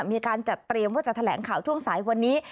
มีการจัดเตรียมว่าจะแถลงข่าวช่วงสายวันนี้